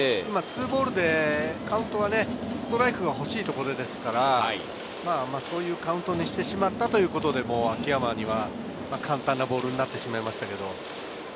２ボールでカウントはストライクが欲しいところですから、そういうカウントにしてしまったということで、秋山には簡単なボールになってしまいました。